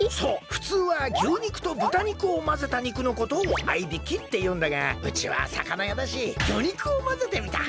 ふつうは牛肉と豚肉をまぜた肉のことを合いびきっていうんだがうちはさかなやだし魚肉をまぜてみた。